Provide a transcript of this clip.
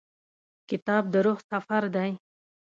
کتاب د روح سفر دی.